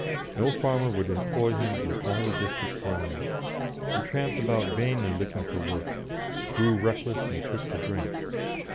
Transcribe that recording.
No farmer would employ him in all the district round. He tramped about vainly looking for work, grew reckless, and took to drink.